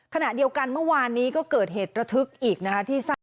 ขณะเดียวกันเมื่อวานนี้ก็เกิดเหตุระทึกอีกนะคะที่ทราบ